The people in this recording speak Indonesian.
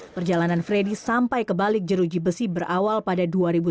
perjalanan freddy sampai kebalik jeruji besi berawal pada dua ribu sembilan